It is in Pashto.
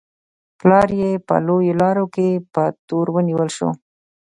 پلار یې په لویو لارو کې په تور ونیول شو.